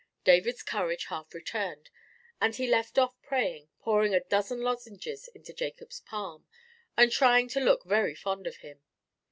David's courage half returned, and he left off praying; pouring a dozen lozenges into Jacob's palm, and trying to look very fond of him.